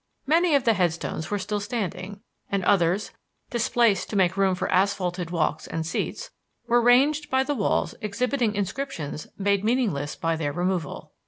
Many of the headstones were still standing, and others, displaced to make room for asphalted walks and seats, were ranged around by the walls exhibiting inscriptions made meaningless by their removal.